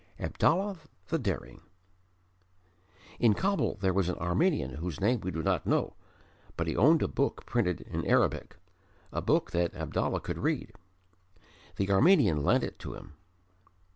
Abdallah the Daring In Kabul there was an Armenian whose name we do not know: but he owned a book printed in Arabic, a book that Abdallah could read. The Armenian lent it to him.